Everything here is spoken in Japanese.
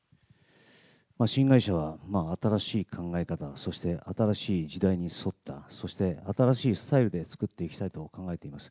新会社は新しい考え方、そして新しい時代に沿った、そして新しいスタイルで作っていきたいと考えています。